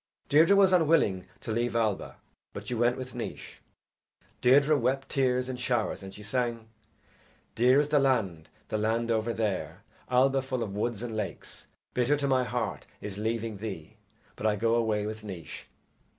Deirdre was unwilling to leave Alba, but she went with Naois. Deirdre wept tears in showers and she sang: Dear is the land, the land over there, Alba full of woods and lakes; Bitter to my heart is leaving thee, But I go away with Naois.